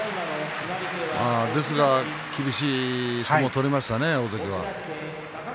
ですが、厳しい相撲を取りましたね、大関は。